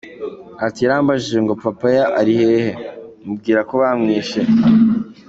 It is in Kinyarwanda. Ati “Yarambajije ngo papaya ari hehe? Mubwira ko bamwishe.